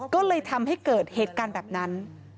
ก็เลยทำให้เกิดเหตุการณ์แบบนั้น